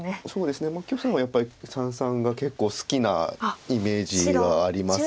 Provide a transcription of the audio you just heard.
許さんはやっぱり三々が結構好きなイメージがあります。